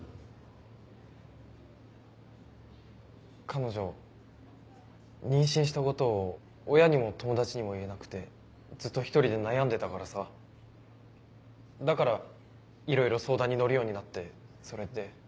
彼女妊娠したことを親にも友達にも言えなくてずっと一人で悩んでたからさだからいろいろ相談に乗るようになってそれで。